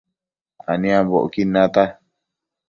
aniambocquid nata